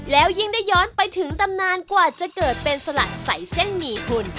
แล้วยิ่งได้ย้อนไปถึงตำนานกว่าจะเกิดเป็นสลัดใส่เส้นหมี่คุณ